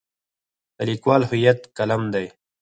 د لیکوال هویت قلم دی.